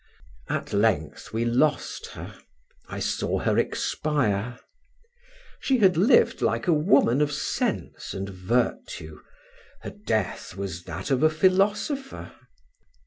At length we lost her I saw her expire. She had lived like a woman of sense and virtue, her death was that of a philosopher.